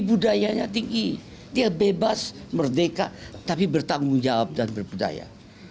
budayanya tinggi dia bebas merdeka tapi bertanggung jawab dan berbudaya